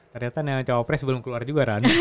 ternyata cawapres belum keluar juga